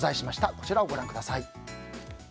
こちらをご覧ください。